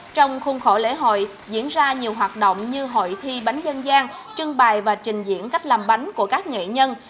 trong khuôn khổ lễ hội diễn ra nhiều hoạt động như hội thi bánh dân gian trưng bài và trình diễn cách làm bánh của các nghệ nhân